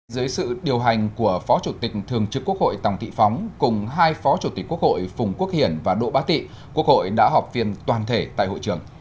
dưới sự điều hành của phó chủ tịch thường trực quốc hội tòng thị phóng cùng hai phó chủ tịch quốc hội phùng quốc hiển và đỗ bá tị quốc hội đã họp phiên toàn thể tại hội trường